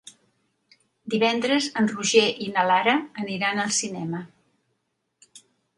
Divendres en Roger i na Lara aniran al cinema.